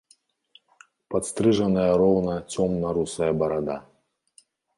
Падстрыжаная роўна цёмна-русая барада.